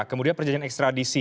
kemudian perjanjian ekstradisi